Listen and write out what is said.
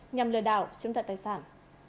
nhằm lừa đảo chiếm đặt tài sản